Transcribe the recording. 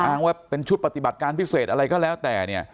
อ้างว่าเป็นชุดปฏิบัติการพิเศษอะไรก็แล้วแต่เนี่ย